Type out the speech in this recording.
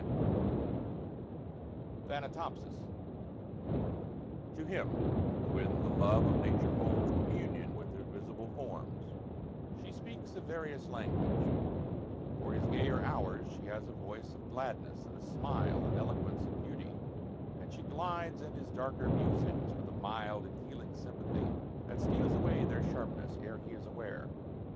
Appleton and Company.] THANATOPSIS To him who in the love of Nature holds Communion with her visible forms, she speaks A various language; for his gayer hours She has a voice of gladness, and a smile And eloquence of beauty, and she glides Into his darker musings, with a mild And healing sympathy, that steals away Their sharpness ere he is aware.